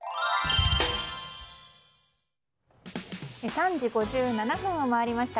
３時５７分を回りました。